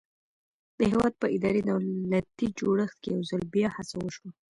د هېواد په اداري دولتي جوړښت کې یو ځل بیا هڅه وشوه.